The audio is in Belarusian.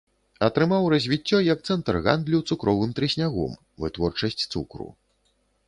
Атрымаў развіццё як цэнтр гандлю цукровым трыснягом, вытворчасць цукру.